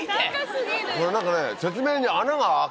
それ何かね